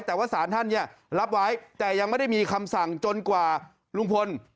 แต่ว่าสารท่านเนี่ยรับไว้แต่ยังไม่ได้มีคำสั่งจนกว่าลุงพล